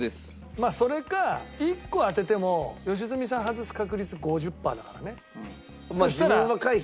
まあそれか１個当てても良純さん外す確率５０パーだからね。